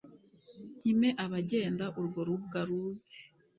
Mpime abagenda, urwo rubwa ruze